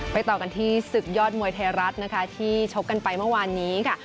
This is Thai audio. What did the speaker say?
ต่อกันที่ศึกยอดมวยไทยรัฐนะคะที่ชกกันไปเมื่อวานนี้ค่ะ